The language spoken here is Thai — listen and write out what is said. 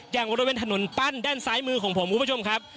อย่างบริเวณถนนปั้นด้านซ้ายมือของผมคุณผู้ชมครับ